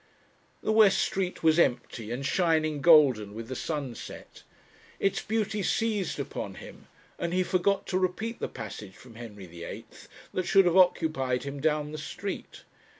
The West Street was empty and shining golden with the sunset. Its beauty seized upon him, and he forgot to repeat the passage from Henry VIII. that should have occupied him down the street.